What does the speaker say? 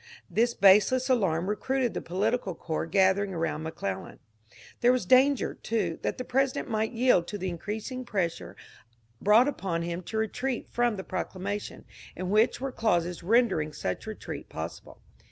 This baseless alarm ro cruited the political corps gathering around McClellan. There was danger, too, that the President might yield to the increasing pressure brought upon him to retreat from the proclamation, in which were clauses rendering such re treat possible.